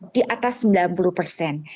di atas sembilan puluh persen